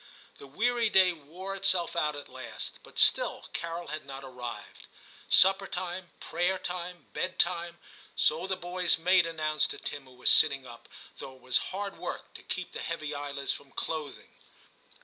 The weary day wore itself out at last, but still Carol had not arrived. Supper time, prayer time, bed time, so the boys' maid announced to Tim who was sitting up, though it was hard work to keep the heavy eyelids from closing.